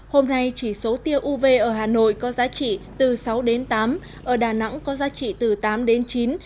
hôm nay chỉ số tiêu uv ở hà nội có giá trị từ sáu đến tám ở đà nẵng có giá trị từ tám đến chín